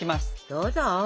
どうぞ！